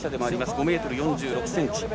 ５ｍ４６ｃｍ。